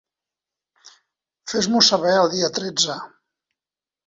Fes-m'ho saber el dia tretze.